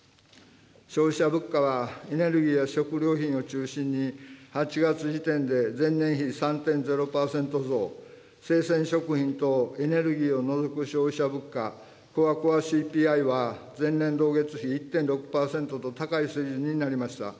消費者物価はエネルギーや食料品を中心に８月時点で前年比３．０％増、生鮮食品とエネルギーを除く消費者物価、コアコアＣＰＩは、前年同月比１．６％と高い水準になりました。